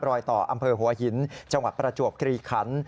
รอยต่ออำเภอหัวหินจังหวัดประจวบกรีคัน